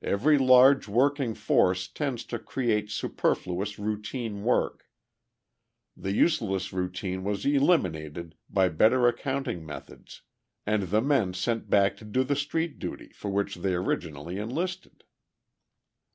Every large working force tends to create superfluous routine work. The useless routine was eliminated by better accounting methods, and the men sent back to do the street duty for which they originally enlisted.